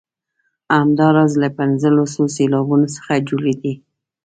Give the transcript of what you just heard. همداراز له پنځلسو سېلابونو څخه جوړې دي.